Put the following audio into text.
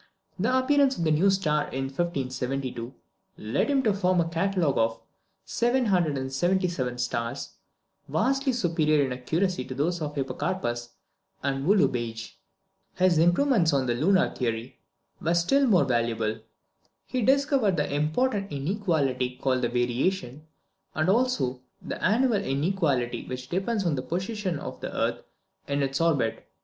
The appearance of the new star in 1572 led him to form a catalogue of 777 stars, vastly superior in accuracy to those of Hipparchus and Ulugh Beig. His improvements on the lunar theory were still more valuable. He discovered the important inequality called the variation, and also the annual inequality which depends on the position of the earth in its orbit.